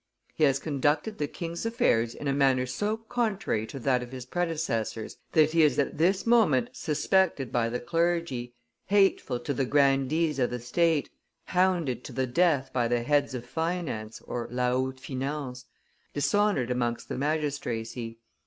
He has conducted the king's affairs in a manner so contrary to that of his predecessors that he is at this moment suspected by the clergy, hateful to the grandees of the state, hounded to the death by the heads of finance (la haute finance), dishonored amongst the magistracy.